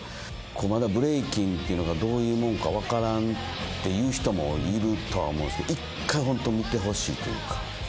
まだブレイキンっていうのがどういうもんか分からんっていう人もいるとは思うんですけど一回ほんと見てほしいというか。